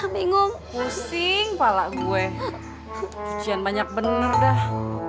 bingung pusing pala gue cucian banyak bener dah